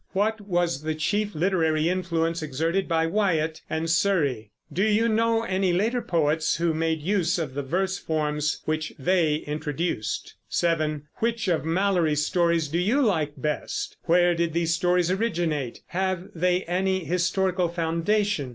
What was the chief literary influence exerted by Wyatt and Surrey? Do you know any later poets who made use of the verse forms which they introduced? 7. Which of Malory's stories do you like best? Where did these stories originate? Have they any historical foundation?